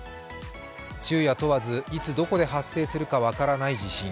昼夜問わず、いつどこで発生するか分からない地震。